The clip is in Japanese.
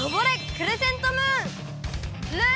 クレセントムーン！